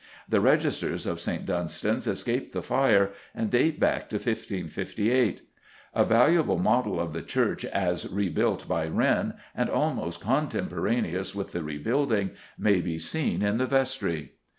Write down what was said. The registers of St. Dunstan's escaped the Fire, and date back to 1558. A valuable model of the church as rebuilt by Wren, and almost contemporaneous with the rebuilding, may be seen in the vestry.